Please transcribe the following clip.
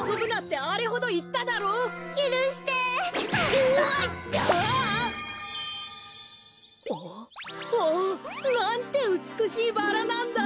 あっおお！なんてうつくしいバラなんだ！